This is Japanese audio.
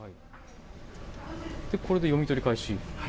これで読み取り開始。